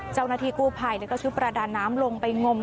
เจ้านาฑิกูภัยและชุบประดานน้ำลงไปงม